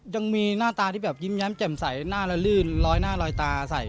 ยังมีหน้าตาที่แบบยิ้มแย้มแจ่มใสหน้าละลื่นลอยหน้าลอยตาใส่